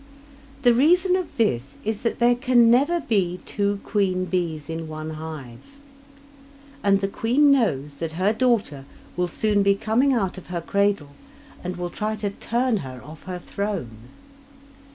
The reason of this is that there can never be two queen bees in one hive, and the queen knows that her daughter will soon be coming out of her cradle and will try to turn her off her throne.